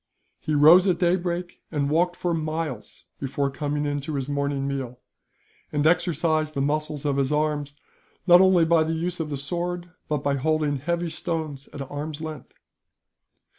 He rose at daybreak, and walked for miles before coming in to his morning meal; and exercised the muscles of his arms, not only by the use of the sword, but by holding heavy stones at arm's length.